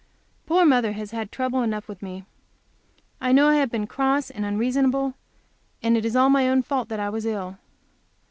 Poor mother has had trouble enough with me; I know I have been cross and unreasonable, and it was all my own fault that I was ill.